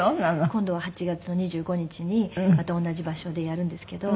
今度は８月２５日にまた同じ場所でやるんですけど。